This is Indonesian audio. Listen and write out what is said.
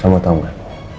kamu tau gak